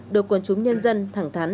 được quần chúng nhân dân thẳng thắn